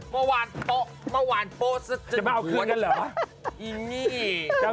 เมื่อวานโปจะมาเอาคืนกันเหรอ